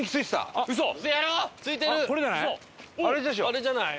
あっこれじゃない？